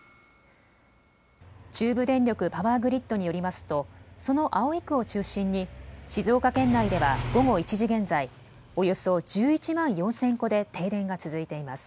中部電力、パワーグリッドによりますとその葵区を中心に静岡県内では午後１時現在、およそ１１万４０００戸で停電が続いています。